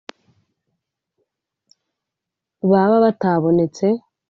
baba batabonetse